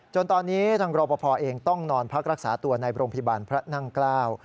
จนตอนนี้ทางรอปภเองต้องนอนพักรักษาตัวในโรงพยาบาลพระนั่งเกล้า